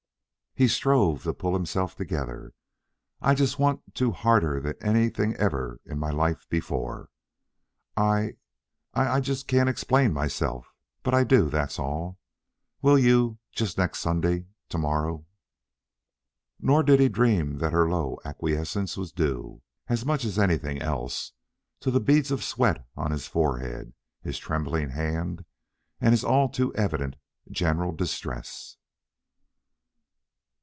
He strove to pull himself together. "I just want to harder than anything ever in my life before. I I I can't explain myself, but I do, that's all. Will you? Just next Sunday? To morrow?" Nor did he dream that her low acquiescence was due, as much as anything else, to the beads of sweat on his forehead, his trembling hand, and his all too evident general distress.